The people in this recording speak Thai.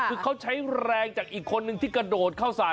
คือเขาใช้แรงจากอีกคนนึงที่กระโดดเข้าใส่